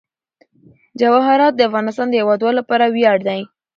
جواهرات د افغانستان د هیوادوالو لپاره ویاړ دی.